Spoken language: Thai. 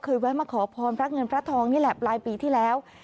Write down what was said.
แวะมาขอพรพระเงินพระทองนี่แหละปลายปีที่แล้ว